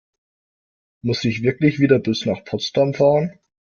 Muss ich wirklich wieder bis nach Potsdam fahren?